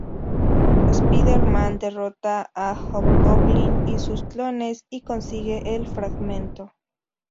Spider-Man derrota a Hobgoblin y sus clones y consigue el fragmento.